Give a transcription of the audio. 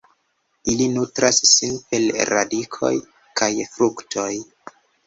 Ili nutras sin per radikoj kaj fruktoj.